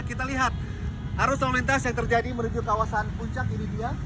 kita lihat arus lalu lintas yang terjadi menuju kawasan puncak ini dia